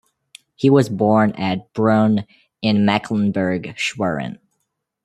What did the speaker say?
He was born at Brunn in Mecklenburg-Schwerin.